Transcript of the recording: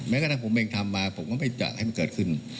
กระทั่งผมเองทำมาผมก็ไม่อยากให้มันเกิดขึ้น